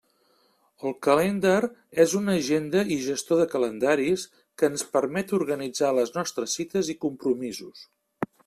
El Calendar és una agenda i gestor de calendaris que ens permet organitzar les nostres cites i compromisos.